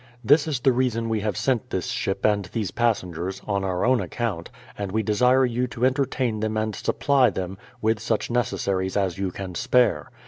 ... This is the reason we have sent this ship and these passengers, on our own account ; and we desire you to entertain them and supply them, with such necessaries as you can spare.